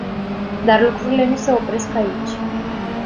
Dar lucrurile nu se opresc aici.